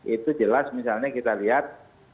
itu jelas misalnya kita lihat